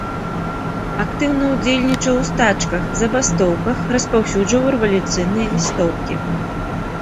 Актыўна ўдзельнічаў у стачках, забастоўках, распаўсюджваў рэвалюцыйныя лістоўкі.